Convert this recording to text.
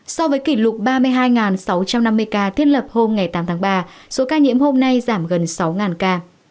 so với kỷ lục ba mươi hai sáu trăm năm mươi ca thiết lập hôm tám tháng ba số ca nhiễm hôm nay giảm gần sáu ca